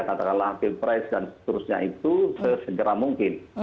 katakanlah pilpres dan seterusnya itu segera mungkin